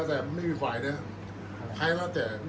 อันไหนที่มันไม่จริงแล้วอาจารย์อยากพูด